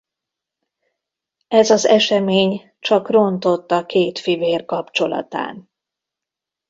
Ez az esemény csak rontott a két fivér kapcsolatán.